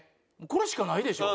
これしかないでしょ。